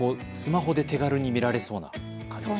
スマホで手軽に見られそうな。